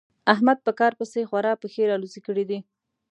احمد په کار پسې خورا پښې رالوڅې کړې دي.